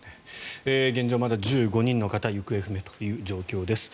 現状、まだ１５人の方が行方不明という状況です。